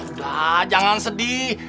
ah udah jangan sedih